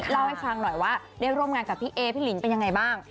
เล่าให้ฟังหน่อยว่าได้ร่วมงานกับพี่เอพี่ลินเป็นยังไงบ้าง